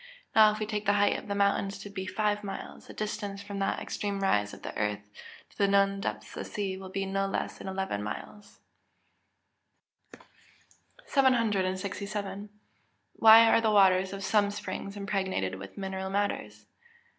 Now, if we take the height of the highest mountain to be five miles, the distance from that extreme rise of the earth, to the known depth of the sea, will be no less than eleven miles. 767. _Why are the waters of some springs impregnated with mineral matters?